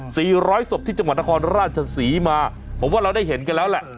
ร้อยศพที่จังหวัดนครราชศรีมาผมว่าเราได้เห็นกันแล้วแหละ